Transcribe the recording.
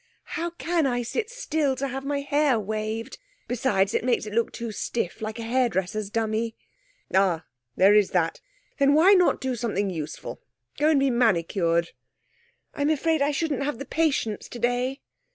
'How can I sit still to have my hair waved? Besides, it makes it look too stiff like a hairdresser's dummy.' 'Ah! there is that. Then why not do something useful go and be manicured?' 'I'm afraid I shouldn't have the patience today.'